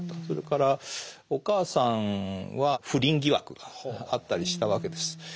それからお母さんは不倫疑惑があったりしたわけです。